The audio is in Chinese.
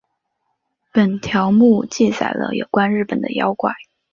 本条目记载了有关日本的妖怪。